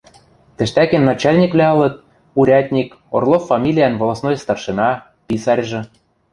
Тӹштӓкен начальниквлӓ ылыт: урядник, Орлов фамилиӓн волостной старшина, писарьжы.